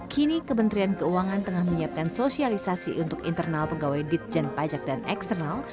kini kementerian keuangan tengah menyiapkan sosialisasi untuk internal pegawai ditjen pajak dan eksternal